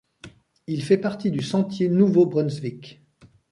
Il fait partie du sentier Nouveau-Brunswick.